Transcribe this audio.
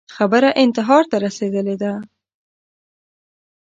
خبره انتحار ته رسېدلې ده